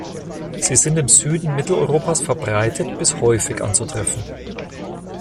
Sie sind im Süden Mitteleuropas verbreitet bis häufig anzutreffen.